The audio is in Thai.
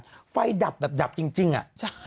ชาแพงจี๊งอ่ะ